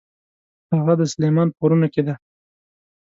هغه د سلیمان په غرونو کې ده.